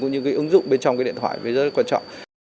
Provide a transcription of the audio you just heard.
những ứng dụng bên trong điện thoại rất quan trọng